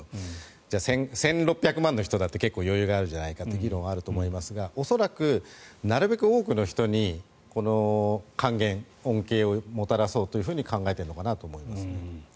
じゃあ１６００万円の人だって結構余裕があるじゃないかという議論はあると思いますが恐らくなるべく多くの人にこの還元、恩恵をもたらそうと考えているのかなと思います。